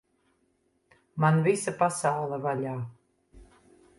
Man visa pasaule vaļā!